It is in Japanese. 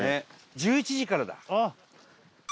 １１時からだ。